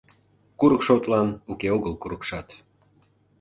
Курык шотлан уке огыл курыкшат.